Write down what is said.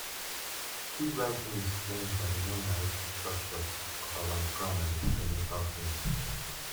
Qiu's writing is influenced by the non-narrative structures of avant-garde and experimental film.